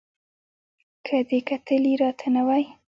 که دې کتلي را ته نه وای